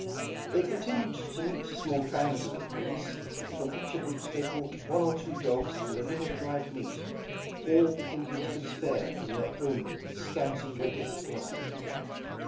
They continued to meet small bands of Indians, from each of which they bought one or two dogs and a little dried meat, all the Indians could spare from their own scanty winter supply.